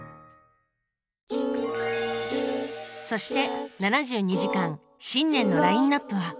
そして「７２時間」新年のラインナップは？